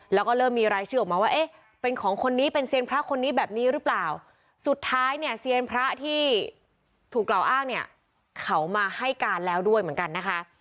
แล้วก็เริ่มมีรายชื่อออกมาว่าเอ๊ะเป็นของคนนี้เป็นเซียนพระคนนี้แบบนี้หรือเปล่าสุดท้ายเนี่ยเซียนพระที่ถูกกล่าวอ้างเนี่ยเขามาให้การแล้วด้วยเหมือนกันนะคะ